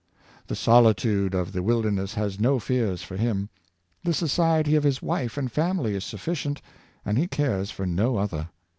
The solitude of the wilderness has no fears for him; the society of his wife and family is suf ficient, and he cares for no other.